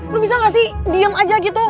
lo bisa gak sih diam aja gitu